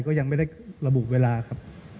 ก็ยังไม่ได้ระบุเวลาครับ